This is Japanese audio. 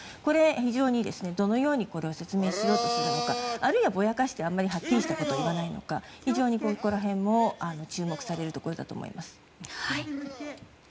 非常に、これをどのように説明するのかあるいは、ぼやかしてあまりはっきりしたことを言わないのか非常に、ここら辺も注目されるところだと思います。